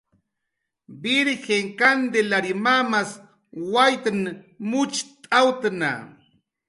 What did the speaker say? Virjin Kantilary mamas waytn mucht'awtna